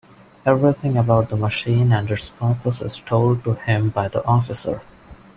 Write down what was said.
Everything about the machine and its purpose is told to him by the Officer.